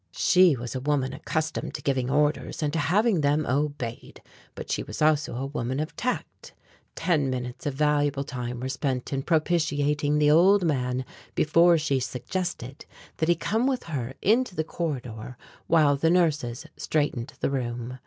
She was a woman accustomed to giving orders and to having them obeyed; but she was also a woman of tact. Ten minutes of valuable time were spent in propitiating the old man before she suggested that he come with her into the corridor while the nurses straightened the room.